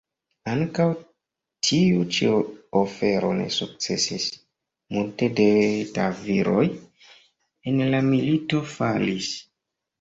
Ankaŭ tiu ĉi ofero ne sukcesis, multe da viroj en la milito falis.